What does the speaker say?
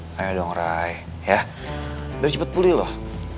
ck ayo dong rai ya biar cepet pulih loh